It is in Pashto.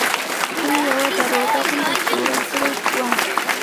دوی یوه دروازه غوندې جوړه کړې وه.